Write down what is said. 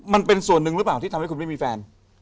มันเป็นส่วนหนึ่งหรือเปล่าที่ทำให้คุณไม่มีแฟน